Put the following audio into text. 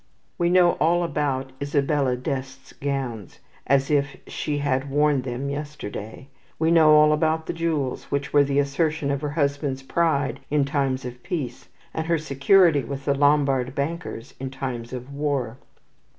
We know all about Isabella d' Este's gowns, as if she had worn them yesterday. We know all about the jewels which were the assertion of her husband's pride in times of peace, and his security with the Lombard bankers in times of war.